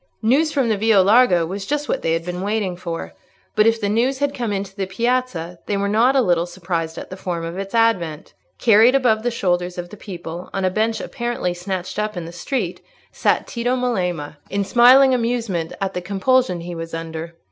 News from the Via Larga was just what they had been waiting for. But if the news had come into the piazza, they were not a little surprised at the form of its advent. Carried above the shoulders of the people, on a bench apparently snatched up in the street, sat Tito Melema, in smiling amusement at the compulsion he was under.